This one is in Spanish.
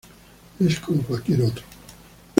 Es como cualquier otro.